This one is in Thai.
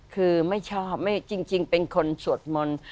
คือไม่ชอบจริงเป็นคนสวดมนต์